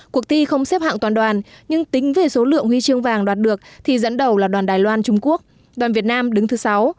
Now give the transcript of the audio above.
cuộc thi không xếp hạng toàn đoàn nhưng tính về số lượng huy chương vàng đạt được thì dẫn đầu là đoàn đài loan trung quốc đoàn việt nam đứng thứ sáu